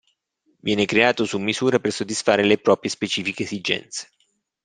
Viene creato su misura per soddisfare le proprie specifiche esigenze.